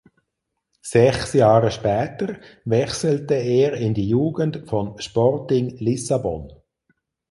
Sechs Jahre später wechselte er in die Jugend von Sporting Lissabon.